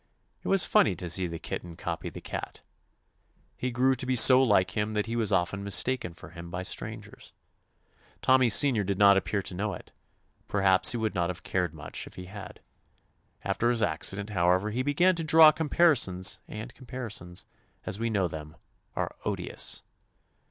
It was funny to see the kitten copy the cat. He grew to be so like him that he was often mistaken for him by strangers. Tommy Senior did not appear to know it; perhaps he would not have cared much if he had. After his accident, however, he began to draw comparisons and comparisons, as we know are "odious."